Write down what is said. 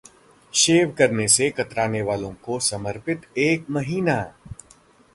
शेव करने से कतराने वालों को समर्पित एक महीना!